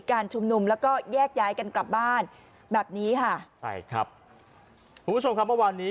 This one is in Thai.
การชุมนุมแล้วก็แยกย้ายกันกลับบ้านแบบนี้ค่ะครับวันนี้